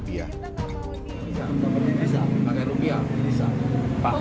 bisa pakai rupiah bisa